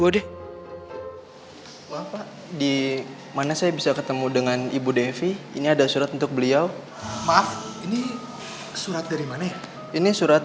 oh iya karena ation manisiar pembit interest